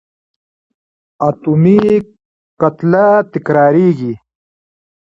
اتومي کتله تکرارېږي.